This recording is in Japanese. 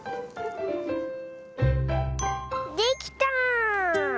できた！